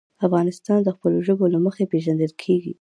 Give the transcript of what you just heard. افغانستان د خپلو ژبو له مخې پېژندل کېږي.